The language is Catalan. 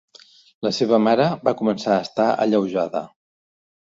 La seva mare va començar a estar alleujada.